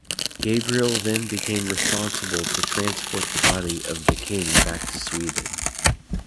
Gabriel then became responsible to transport the body of the king back to Sweden.